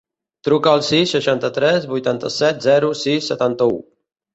Truca al sis, seixanta-tres, vuitanta-set, zero, sis, setanta-u.